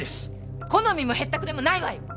好みもへったくれもないわよ！